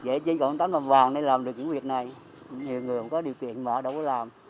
vậy chứ còn tấm màu vàng này làm được cái việc này nhiều người không có điều kiện mà đâu có làm